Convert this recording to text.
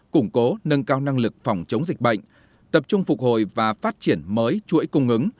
củng cố nâng cao năng lực phòng chống dịch bệnh tập trung phục hồi và phát triển mới chuỗi cung ứng